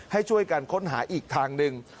ให้ช่วยกันค้นหาอีกทางหนึ่ง